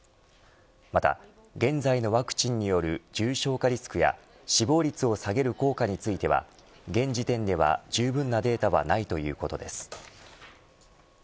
また、現在のワクチンによる重症化リスクや死亡率を下げる効果については現時点ではじゅうぶんなデータはないということです。